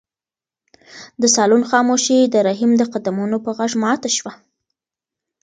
د صالون خاموشي د رحیم د قدمونو په غږ ماته شوه.